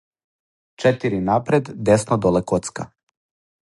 четири напред десно доле коцка